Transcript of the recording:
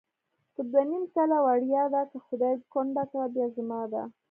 په دوه نیم کله وړیا ده، که خدای کونډه کړه بیا زما ده